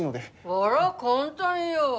あら簡単よ。